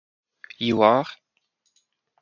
You are?